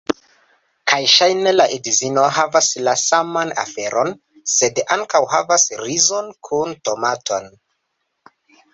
Kaj ŝajne la edzino havas la saman aferon, sed ankaŭ havas rizon kun tomaton.